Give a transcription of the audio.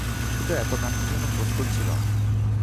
কিন্তু এত কাণ্ডের জন্য প্রস্তুত ছিল না।